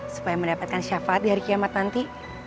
supaya mendapatkan syafaat di hari kiamat nanti